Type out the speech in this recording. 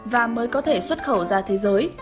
và mới có thể xuất khẩu ra thế giới